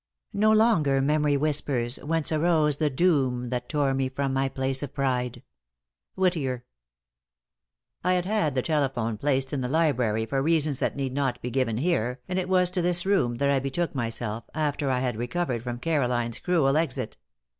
* No longer memory whispers whence arose The doom that tore me from my place of pride. Whittier. I had had the telephone placed in the library for reasons that need not be given here, and it was to this room that I betook myself after I had recovered from Caroline's cruel exit.